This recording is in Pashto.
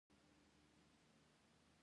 طیاره د سفر لپاره خوندي وسیله ده.